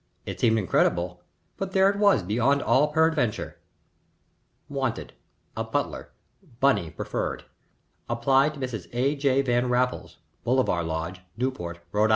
It seemed incredible, but there it was beyond all peradventure: "WANTED. A Butler. BUNNY preferred. Apply to Mrs. A. J. Van Raffles, Bolivar Lodge, Newport, R.I."